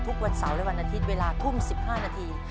ทุกวันเสาร์และวันอาทิตย์เวลาทุ่ม๑๕นาที